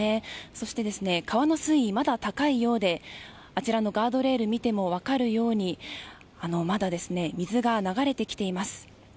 そして、水位もまだ高いようであちらのガードレールを見ても分かるようにまだ水が流れてきています。